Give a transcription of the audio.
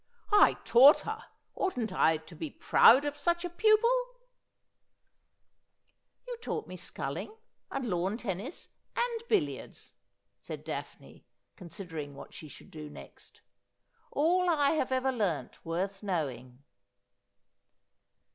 ' I taught her. Oughtn't I to be proud of such a pupil ?'' You taught me sculling, and lawn tennis, and billiards,' said Daphne, considering what she should do next. ' All I have ever learnt worth knowing.'